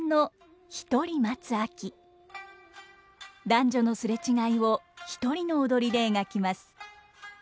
男女の擦れ違いを一人の踊りで描きます。